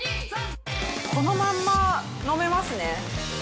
このまんま飲めますね。